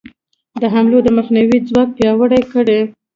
د حملو د مخنیوي ځواک پیاوړی کړي.